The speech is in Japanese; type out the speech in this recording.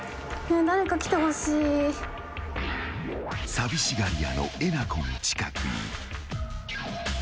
［寂しがり屋のえなこの近くに］